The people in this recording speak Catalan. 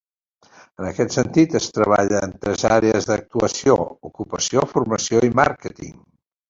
En aquest sentit, es treballa en tres àrees d'actuació: ocupació, formació, i màrqueting.